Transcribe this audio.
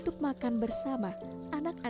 suami landep telah meninggal